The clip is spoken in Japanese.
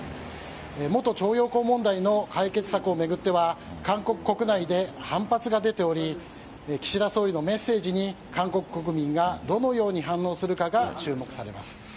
元徴用工問題の解決策を巡っては韓国国内で反発が出ており岸田総理のメッセージに韓国国民がどのように反応するかが注目されます。